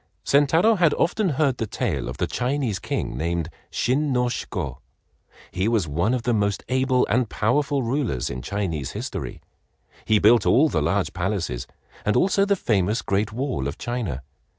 Sentaro had often heard the tale of the Chinese King named Shin no Shiko. He was one of the most able and powerful rulers in Chinese history. He built all the large palaces, and also the famous great wall of China.